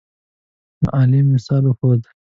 معلم مثال وښود.